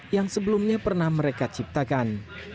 yang sebelumnya pernah mereka ciptakan